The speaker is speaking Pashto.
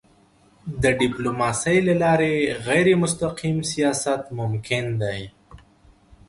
د ډيپلوماسی له لارې غیرمستقیم سیاست ممکن دی.